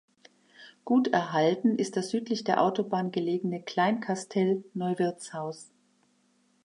Gut erhalten ist das südlich der Autobahn gelegene Kleinkastell Neuwirtshaus.